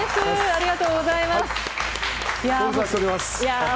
ありがとうございます。